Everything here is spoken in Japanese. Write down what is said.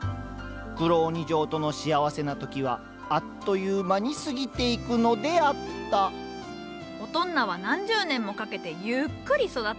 黒鬼嬢との幸せな時はあっという間に過ぎていくのであったオトンナは何十年もかけてゆっくり育つ。